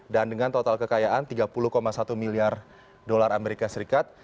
dan dengan total kekayaan tiga puluh satu miliar dolar amerika serikat